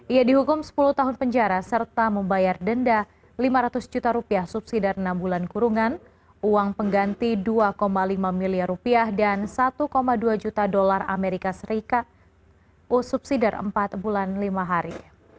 ia dihukum sepuluh tahun penjara serta membayar denda rp lima ratus juta subsidi dari enam bulan kurungan uang pengganti rp dua lima miliar dan rp satu dua juta usd subsidi dari empat bulan lima hari